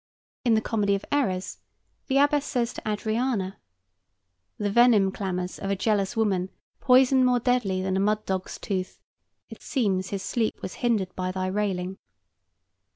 In the "Comedy of Errors," the Abbess says to Adriana: "The venom clamors of a jealous woman Poison more deadly than a mud dog's tooth. It seems his sleep was hindered by thy railing.